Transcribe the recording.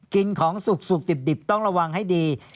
กินของสุกดิบต้องระวังให้ดี